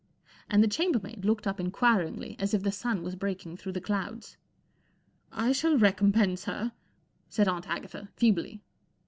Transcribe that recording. And the chambermaid looked up inquiringly, as if the sun was breaking through the clouds, 1 I shall recompense her," said Aunt Agatha, feebly.